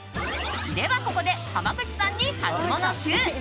では、ここで濱口さんにハツモノＱ。